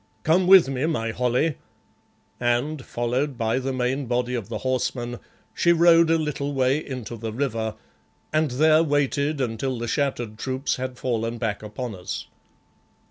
"Come with me, my Holly," and, followed by the main body of the horsemen, she rode a little way into the river, and there waited until the shattered troops had fallen back upon us.